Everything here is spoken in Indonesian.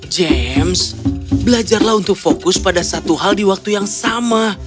james belajarlah untuk fokus pada satu hal di waktu yang sama